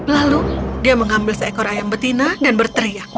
lalu dia mengambil seekor ayam betina dan berteriak